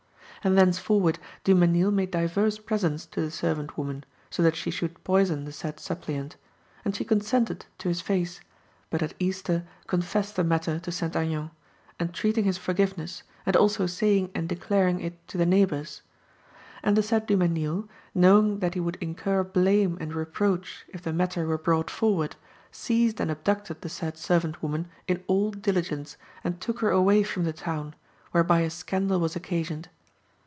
And thenceforward Dumesnil made divers presents to the servant woman, so that she should poison the said suppliant; and she consented to his face; but at Easter confessed the matter to St. Aignan, entreating his forgiveness, and also saying and declaring it to the neighbours. And the said Dumesnil, knowing that he would incur blame and reproach if the matter were brought forward, seized and abducted the said servant woman in all diligence, and took her away from the town, whereby a scandal was occasioned.